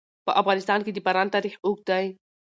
په افغانستان کې د باران تاریخ اوږد دی.